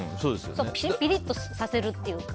ピリッとさせるっていうか。